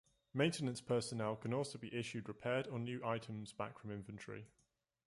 Maintenance personnel can also be issued repaired or new items back from inventory.